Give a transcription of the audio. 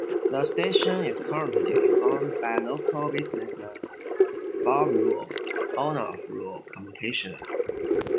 The station is currently owned by local businessman Bob Rule, owner of Rule Communications.